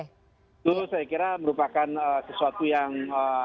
itu saya kira merupakan sesuatu yang